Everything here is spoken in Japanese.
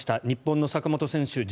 日本の坂本選手